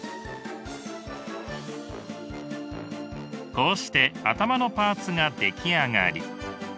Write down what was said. こうして頭のパーツが出来上がり。